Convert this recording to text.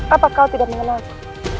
apa kau tidak mengenalku